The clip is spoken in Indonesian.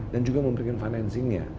dan juga membuat financing nya